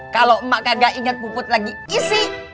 kalo mak gak inget puput lagi isi